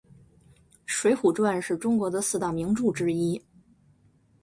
水浒传是中国的四大名著之一。